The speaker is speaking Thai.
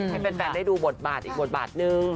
ให้แฟนได้ดูบทบาทอีกบทบาทนึง